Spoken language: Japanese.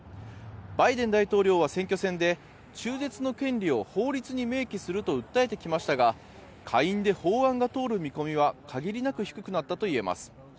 バイデン大統領は選挙戦で中絶の権利を法律に明記すると訴えてきましたが下院で法案が通る見込みは限りなく低くなったといえます。